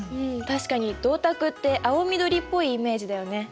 確かに銅鐸って青緑っぽいイメージだよね。